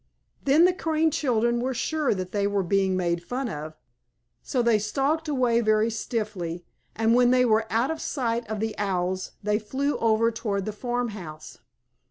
Then the Crane children were sure that they were being made fun of, so they stalked away very stiffly, and when they were out of sight of the Owls, they flew over toward the farmhouse.